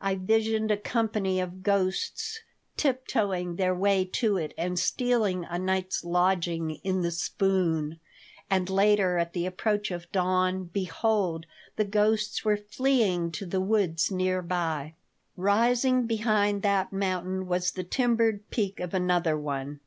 I visioned a company of ghosts tiptoeing their way to it and stealing a night's lodging in the "spoon," and later, at the approach of dawn, behold! the ghosts were fleeing to the woods near by Rising behind that mountain was the timbered peak of another one.